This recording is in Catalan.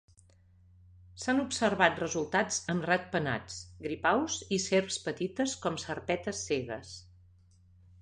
S'han observat resultats amb ratpenats, gripaus i serps petites com serpetes cegues.